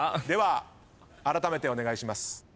ではあらためてお願いします。